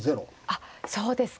あっそうですか。